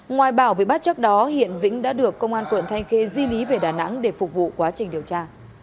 ngoài bảo bị bắt trước đó hiện vĩnh đã được công an quận thanh khê di lý về đà nẵng để phục vụ quá trình điều tra